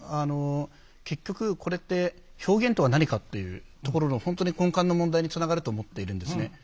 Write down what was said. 結局これって表現とは何かっていうところの本当に根幹の問題につながると思っているんですね。